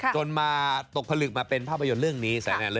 จนมาตกผลึกมาเป็นภาพยนตร์เรื่องนี้